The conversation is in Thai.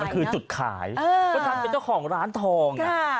มันคือจุดขายก็ทำเป็นเจ้าของร้านทอง